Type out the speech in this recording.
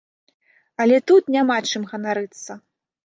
Але тут няма чым ганарыцца.